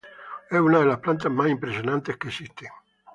Es una de las plantas más impresionantes que existen.